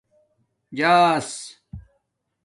جآس